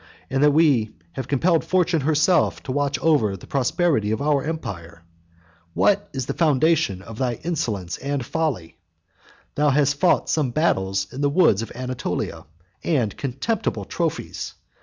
and that we have compelled Fortune herself to watch over the prosperity of our empire. What is the foundation of thy insolence and folly? Thou hast fought some battles in the woods of Anatolia; contemptible trophies!